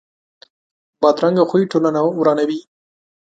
بدرنګه خوی ټولنه ورانوي